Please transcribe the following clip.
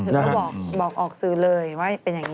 เขาบอกออกสื่อเลยว่าเป็นอย่างนี้